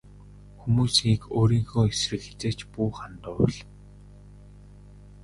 Хүмүүсийг өөрийнхөө эсрэг хэзээ ч бүү хандуул.